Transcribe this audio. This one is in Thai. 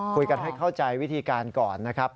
คุยกันให้เข้าใจวิธีการก่อนนะครับ